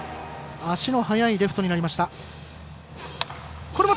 足の速いレフトになりました。